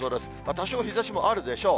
多少、日ざしもあるでしょう。